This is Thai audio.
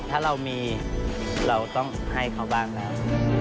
ถ้าเรามีเราต้องให้เขาบ้างแล้ว